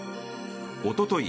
おととい